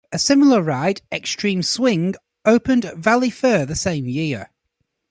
A similar ride, Xtreme Swing, opened at Valleyfair the same year.